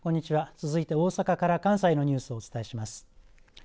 続いて大阪から関西のニュースをお伝えします。